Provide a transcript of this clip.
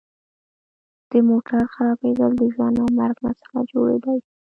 د موټر خرابیدل د ژوند او مرګ مسله جوړیدای شي